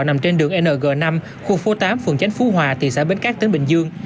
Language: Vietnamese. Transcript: nằm trên đường ng năm khu phố tám phường chánh phú hòa thị xã bến cát tỉnh bình dương